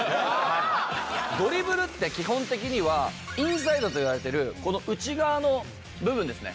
ドリブルって基本的にはインサイドといわれてるこの内側の部分ですね